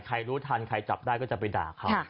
รู้ทันใครจับได้ก็จะไปด่าเขา